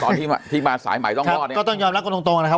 ตอนที่ที่มาสายใหม่ต้องรอดเนี่ยก็ต้องยอมรับกันตรงตรงนะครับ